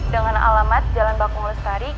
dengan alamat jalan bakung lestari